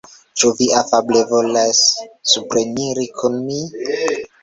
Ĉu vi afable volas supreniri kun mi?